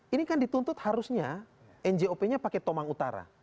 ini kan dituntut harusnya njop nya pakai tomang utara